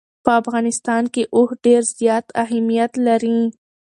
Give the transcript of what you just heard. په افغانستان کې اوښ ډېر زیات اهمیت لري.